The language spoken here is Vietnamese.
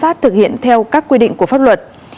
sát thực hiện theo các quy định của pháp luật